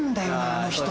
あの人。